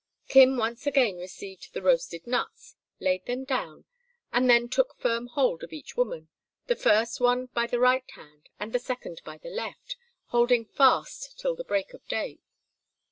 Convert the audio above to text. Kim once again received the roasted nuts, laid them down, and then took firm hold of each woman, the first one by the right hand and the second by the left, holding fast till the break of day.